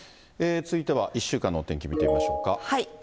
続いては１週間のお天気見てみましょうか。